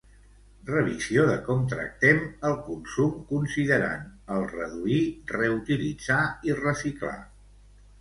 Revisió de com tractem el consum considerant el Reduir, Reutilitzar i Reciclar.